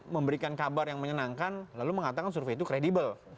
memberikan kabar yang menyenangkan lalu mengatakan survei itu kredibel